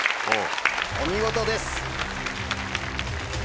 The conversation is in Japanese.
お見事です。